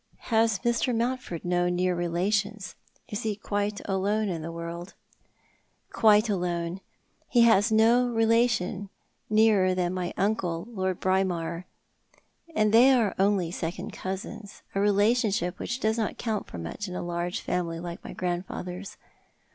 " Has Mr. Mountford no near relations ? Is he quite alone in the world ?" "Quite alone. He has no relation nearer than my uncle. Lord Braemar, and they are only second cousins, a relationship which does not count for much in a large family like my grandfather's.